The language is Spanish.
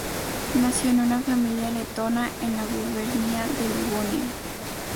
Nació en una familia letona en la Gubernia de Livonia.